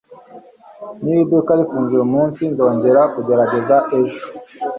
Niba iduka rifunze uyumunsi, nzongera kugerageza ejo.